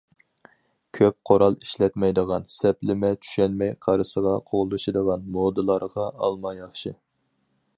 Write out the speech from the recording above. كۆپ قورال ئىشلەتمەيدىغان سەپلىمە چۈشەنمەي قارىسىغا قوغلىشىدىغان مودىلارغا ئالما ياخشى.